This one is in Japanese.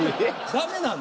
ダメなの。